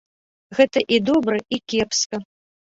Гэта і добра, і кепска!